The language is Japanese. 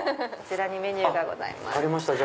こちらにメニューがございます。